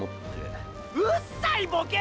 うっさいボケ！！